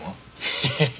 ヘヘヘ。